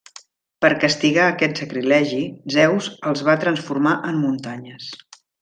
Per castigar aquest sacrilegi, Zeus els va transformar en muntanyes.